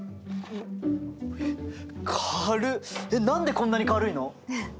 えっ何でこんなに軽いの？